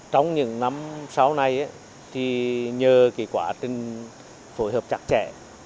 trong những năm sau này thì nhờ kỳ quả trình phối hợp chặt chẽ